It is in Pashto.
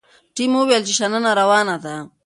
ټیم وویل چې شننه روانه ده.